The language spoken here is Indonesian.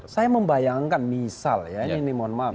saya membayangkan misal ya ini mohon maaf